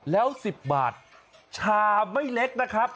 แล้ว๑๐บาทชาไม่เล็กนะครับ